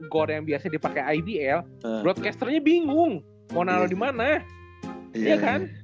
gore yang biasanya dipake ibl broadcasternya bingung mau naro dimana ya kan